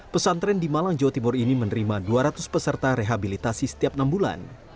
pesantren di malang jawa timur ini menerima dua ratus peserta rehabilitasi setiap enam bulan